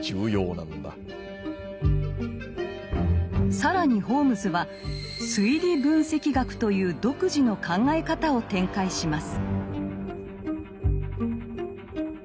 更にホームズは「推理分析学」という独自の考え方を展開します。